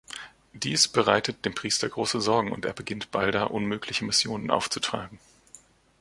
Dies bereitet dem Priester große Sorgen und er beginnt, Balda unmögliche Missionen aufzutragen.